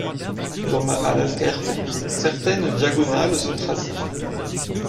Comme à l'alquerque, certaines diagonales sont tracées.